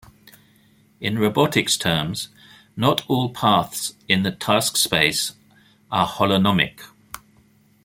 In robotics terms, not all paths in the task space are holonomic.